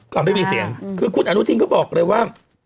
ไม่มีเสียงคือคุณอนุทินก็บอกเลยว่า